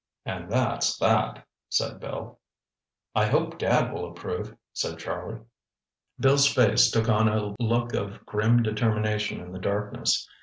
"And that's that," said Bill. "I hope Dad will approve," said Charlie. Bill's face took, on a look of grim determination in the darkness.